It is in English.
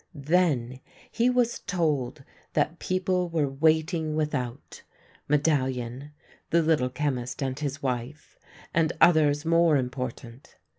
Then he was told that people were waiting without — Medallion, the Little Chemist and his wife, and others more important.